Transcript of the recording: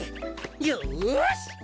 よし！